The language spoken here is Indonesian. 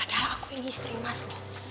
padahal aku ini istri mas nih